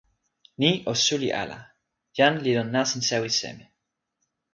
ni o suli ala: jan li lon nasin sewi seme.